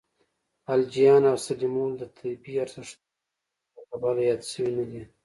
الجیان او سلیمولد د طبی ارزښت نه لرلو له کبله یاد شوي نه دي.